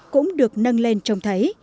cũng được nâng lên trông thấy